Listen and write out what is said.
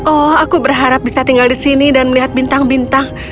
oh aku berharap bisa tinggal di sini dan melihat bintang bintang